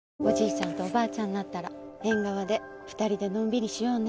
ちゃんとおばあちゃんになったら縁側で２人でのんびりしようね。